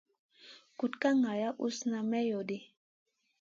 Kuɗ ka ŋal usna usna may lodi.